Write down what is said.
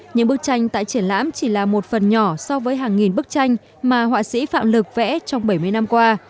những bức tranh tại triển lãm chỉ là một phần nhỏ so với hàng nghìn bức tranh mà họa sĩ phạm lực vẽ trong bảy mươi năm qua